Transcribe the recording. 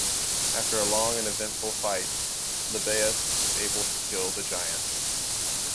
After a long and eventful fight, Libeaus is able to kill the giant.